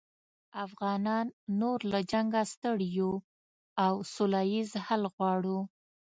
افغانان نور له جنګه ستړي یوو او سوله ییز حل غواړو